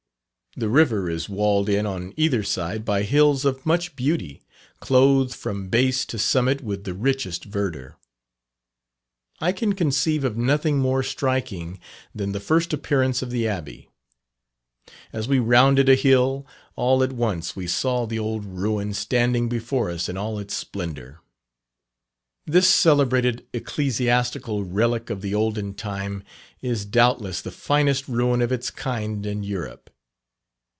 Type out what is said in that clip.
The river is walled in on either side by hills of much beauty, clothed from base to summit with the richest verdure. I can conceive of nothing more striking than the first appearance of the Abbey. As we rounded a hill, all at once we saw the old ruin standing before us in all its splendour. This celebrated ecclesiastical relic of the olden time is doubtless the finest ruin of its kind in Europe.